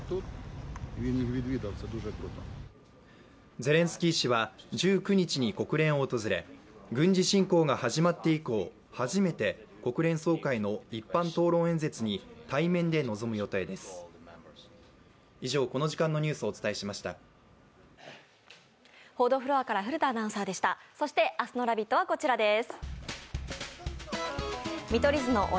ゼレンスキー氏は１９日に国連を訪れ軍事侵攻が始まって以降初めて国連総会の一般討論演説に対面で臨む予定です明日の「ラヴィット！」はこちらです。